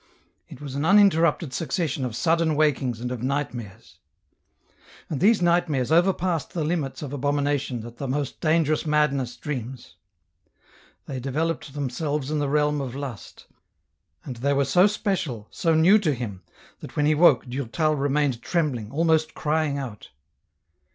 It was an uninterrupted succession of sudden wakings and of nightmares. And these nightmares overpassed the limits of abomina tion that the most dangerous madness dreams. They developed themselves in the realm of lust ; and they were so special, so new to him, that when he woke Durtal remained trembling, almost crying out.